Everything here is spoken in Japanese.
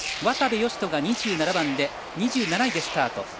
渡部善斗が２７番で２７位でスタート。